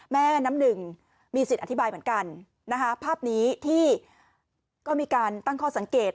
แม่น้ำหนึ่งมีสิทธิ์อธิบายเหมือนกันนะคะภาพนี้ที่ก็มีการตั้งข้อสังเกต